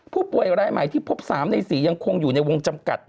ผู้ป่วยรายใหม่ที่พบ๓ใน๔ยังคงอยู่ในวงจำกัด